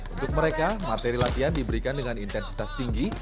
untuk mereka materi latihan diberikan dengan intensitas tinggi